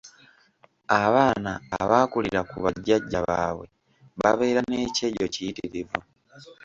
Abaana abaakulira ku bajjajja baabwe babeera n’ekyejo kiyitirivu.